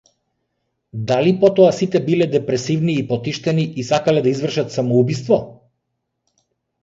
Дали потоа сите биле депресивни и потиштени и сакале да извршат самоубиство?